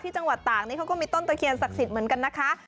จังหวัดตากนี้เขาก็มีต้นตะเคียนศักดิ์สิทธิ์เหมือนกันนะคะ